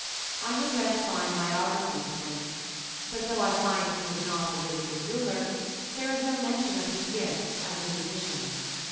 I have read fine biographies of him; but though I find he was not a really good ruler, there is no mention of his gifts as a musician.